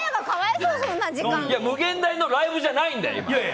無限大のライブじゃないんだよ。